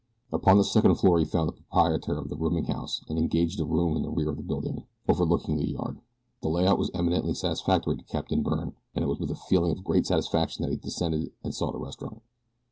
Upon the second floor he found the proprietor of the rooming house and engaged a room in the rear of the building, overlooking the yard. The layout was eminently satisfactory to Captain Byrne and it was with a feeling of great self satisfaction that he descended and sought a restaurant.